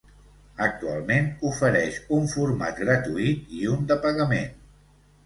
Actualment, ofereix un format gratuït i un de pagament.